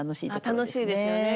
楽しいですよね。